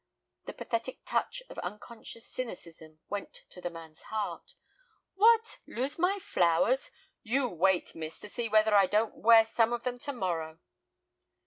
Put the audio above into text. The pathetic touch of unconscious cynicism went to the man's heart. "What, lose my flowers! You wait, miss, to see whether I don't wear some of them to morrow."